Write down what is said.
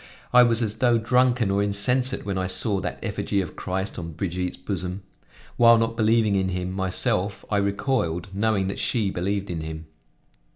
I was as though drunken or insensate when I saw that effigy of Christ on Brigitte's bosom; while not believing in him myself I recoiled, knowing that she believed in him.